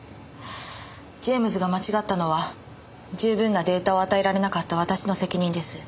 ジェームズが間違ったのは十分なデータを与えられなかった私の責任です。